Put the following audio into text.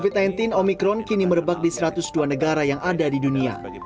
covid sembilan belas omikron kini merebak di satu ratus dua negara yang ada di dunia